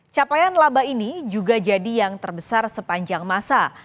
capaian laba ini juga jadi yang terbesar sepanjang masa